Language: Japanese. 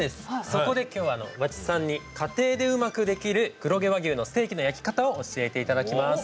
そこで今日は和知さんに家庭でうまくできる黒毛和牛のステーキの焼き方を教えて頂きます。